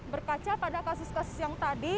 berkaca pada kasus kasus yang tadi